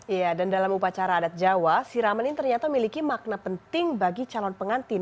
iya dan dalam upacara adat jawa siraman ini ternyata memiliki makna penting bagi calon pengantin